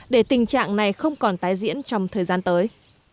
để tình trạng này không còn tái diễn trong thời gian tới